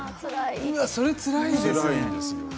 うわそれつらいですね